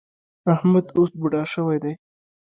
احمد اوس بوډا شوی دی.